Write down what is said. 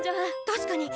確かに！